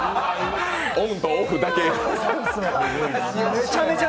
オンとオフだけ。